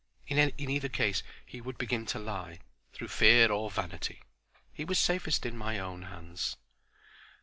In either case he would begin to lie, through fear or vanity. He was safest in my own hands.